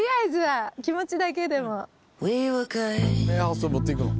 それ持っていくの？